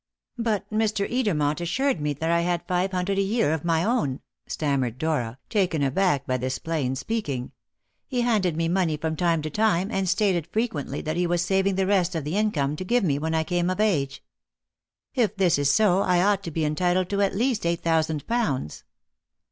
"But Mr. Edermont assured me that I had five hundred a year of my own!" stammered Dora, taken aback by this plain speaking. "He handed me money from time to time, and stated frequently that he was saving the rest of the income to give me when I came of age. If this is so, I ought to be entitled to at least eight thousand pounds."